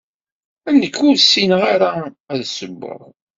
Nekk ur ssineɣ ara ad ssewweɣ.